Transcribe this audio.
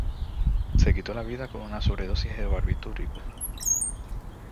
Se quitó la vida con una sobredosis de barbitúricos.